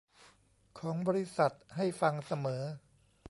ของบริษัทให้ฟังเสมอ